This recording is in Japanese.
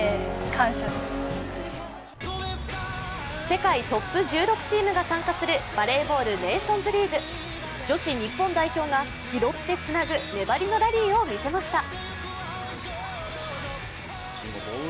世界トップ１６チームが参加するバレーボール・ネーションズリーグ女子日本代表が拾ってつなぐ粘りのラリーを見せました。